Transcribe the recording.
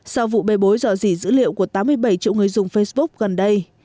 sau vụ bê bối dò dỉ dữ liệu của tám mươi bảy triệu người dùng facebook gần đây